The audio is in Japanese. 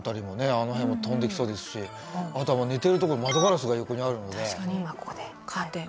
あの辺も飛んできそうですしあと寝てるところ窓ガラスが横にあるのでうん。